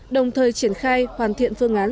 đồng thời triển khai hoàn thiện phương án